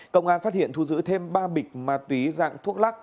công an phát hiện thu giữ thêm ba bịch ma túy dạng thuốc lắc